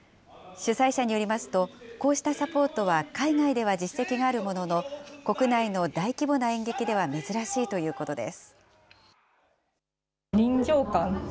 主催者によりますと、こうしたサポートは海外では実績があるものの、国内の大規模な演劇では珍しいということです。